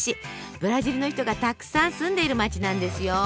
ブラジルの人がたくさん住んでいる町なんですよ。